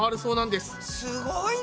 すごいね！